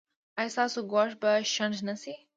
ایا ستاسو ګواښ به شنډ نه شي؟